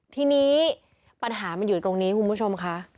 ทีนี้ปัญหามันอยู่ตรงนี้คุณผู้ชมค่ะ